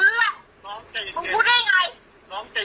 คือเรื่องของเรื่องเนี่ยถามว่า